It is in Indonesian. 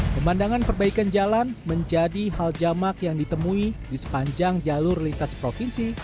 pemandangan perbaikan jalan menjadi hal jamak yang ditemui di sepanjang jalur lintas provinsi